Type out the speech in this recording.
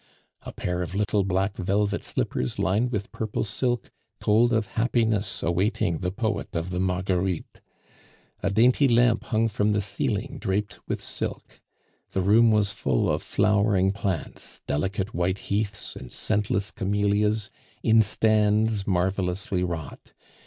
A pair of little, black velvet slippers lined with purple silk told of happiness awaiting the poet of The Marguerites. A dainty lamp hung from the ceiling draped with silk. The room was full of flowering plants, delicate white heaths and scentless camellias, in stands marvelously wrought.